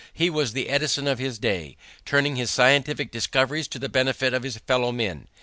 He was the Edison of his day, turning his scientific discoveries to the benefit of his fellow men.